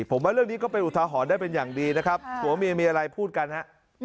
ผมว่าเรื่องนี้ก็เป็นอุทหรณ์ได้เป็นอย่างดีนะครับผัวเมียมีอะไรพูดกันฮะ